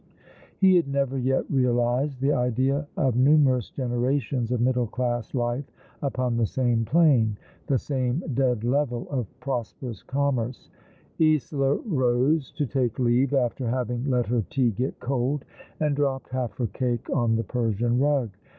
He had never yet 46 All along the River. realized the idea of numerous generations of middle class life upon the same plane, the same dead level of prosperous commerce. Isola rose to take leave, after having let her tea get cold, and dropped half her cake on the Persian rug.